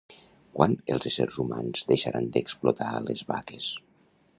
Quan els éssers humans deixaran d'explotar a les vaques?